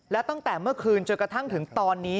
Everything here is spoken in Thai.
และตั้งแต่เมื่อคืนจนกระทั่งถึงตอนนี้